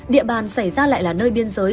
địa bàn xảy ra lại là nơi biên giới